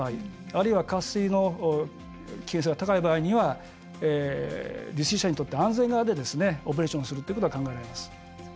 あるいは渇水の危険性が高い場合には利水者にとって安全側でオペレーションするというのは考えられます。